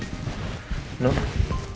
komentaran di sini